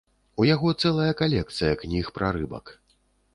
У яго цэлая калекцыя кніг пра рыбак.